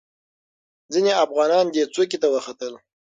ځینې افغانان دې څوکې ته وختل.